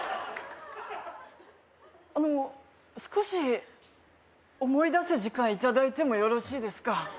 あの少し思い出す時間いただいてもよろしいですか？